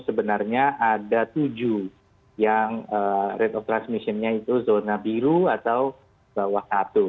sebenarnya ada tujuh yang rate of transmissionnya itu zona biru atau bawah satu